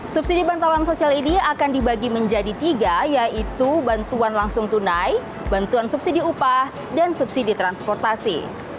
subsidi bantalan sosial ini akan dibagi menjadi tiga yaitu bantuan langsung tunai bantuan subsidi upah dan subsidi transportasi